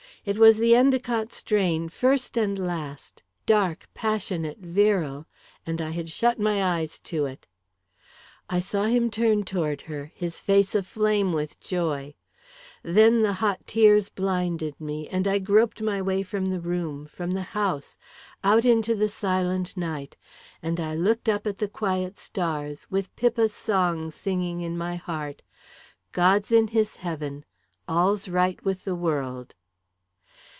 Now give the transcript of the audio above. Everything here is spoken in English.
It was the Endicott strain, first and last dark, passionate, virile and I had shut my eyes to it! I saw him turn toward her, his face aflame with joy Then the hot tears blinded me, and I groped my way from the room, from the house, out into the silent night; and I looked up at the quiet stars, with Pippa's song singing in my heart "God's in his heaven All's right with the world!"